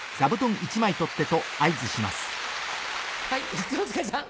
一之輔さん。